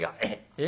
え？